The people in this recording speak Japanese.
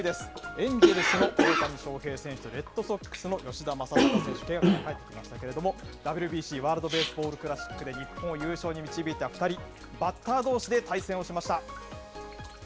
エンジェルスの大谷翔平選手とレッドソックスの吉田正尚選手、帰ってきましたけれども、ＷＢＣ・ワールドベースボールクラシックで日本を優勝に導いた２人、バッターどうしで対戦しました。